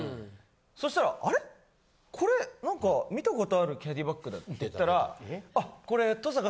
そしたら「あれ？これなんか見たことあるキャディーバッグだ」って言ったらあっこれ。